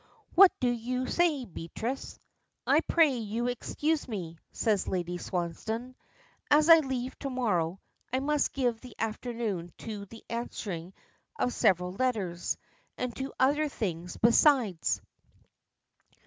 "What do you say, Beatrice?" "I pray you excuse me," says Lady Swansdown. "As I leave to morrow, I must give the afternoon to the answering of several letters, and to other things besides."